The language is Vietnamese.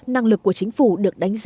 năng lực của chính phủ được đánh giá